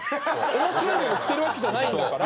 面白いもの着てるわけじゃないんだから。